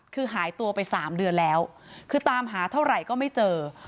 คือหายตัวไป๓เดือนแล้วคือตามหาเท่าไหร่ก็ไม่เจอ